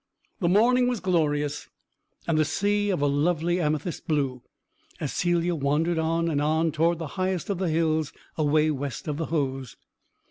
The morning was glorious, and the sea of a lovely amethyst blue, as Celia wandered on and on toward the highest of the hills away west of the Hoze.